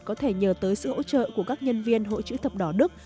có thể nhờ tới sự hỗ trợ của các nhân viên hội chữ thập đỏ đức